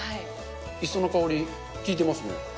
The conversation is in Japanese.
磯の香り、効いてますね。